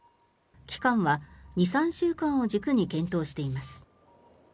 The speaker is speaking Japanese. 期間は２３週間を軸に検討しています。